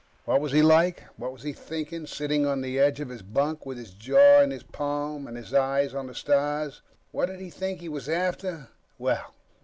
What was he like? What was he thinking, sitting on the edge of his bunk with his jaw in his palm and his eyes on the stars? What did he think he was after? Well